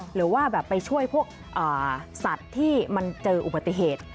หรือว่าแบบไปช่วยพวกสัตว์ที่มันเจออุบัติเหตุ